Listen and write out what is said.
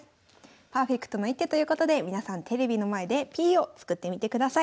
パーフェクトな一手ということで皆さんテレビの前でＰを作ってみてください。